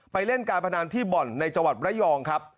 เล่นการพนันที่บ่อนในจังหวัดระยองครับ